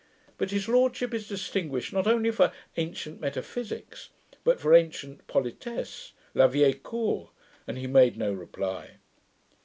But his lordship is distinguished not only for 'ancient metaphysicks', but for ancient politesse, la vieille cour, and he made no reply.